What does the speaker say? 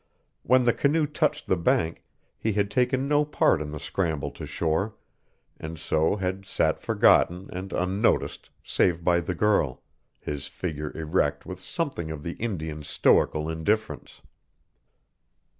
When the canoe touched the bank he had taken no part in the scramble to shore, and so had sat forgotten and unnoticed save by the girl, his figure erect with something of the Indian's stoical indifference.